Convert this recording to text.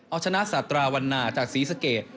เอาชนะสาตราวันนาจากศรีสะเกด